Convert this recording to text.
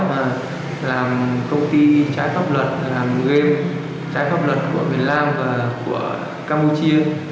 và làm công ty trái pháp luật làm game trái pháp luật của việt nam và của campuchia